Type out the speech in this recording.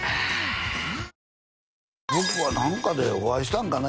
僕は何かでお会いしたんかな？